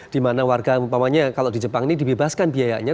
di mana warga umpamanya kalau di jepang ini dibebaskan biayanya